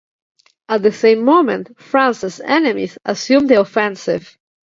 At the same moment, France's enemies assumed the offensive.